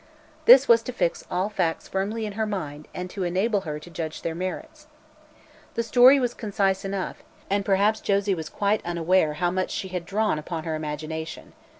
This was to fix all facts firmly in her mind and to enable her to judge their merits. The story was concise enough, and perhaps Josie was quite unaware how much she had drawn upon her imagination.